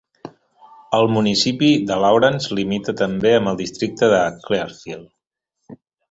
El municipi de Lawrence limita també amb el districte de Clearfield.